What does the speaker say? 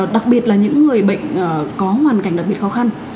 đặc biệt là những người bệnh có hoàn cảnh đặc biệt khó khăn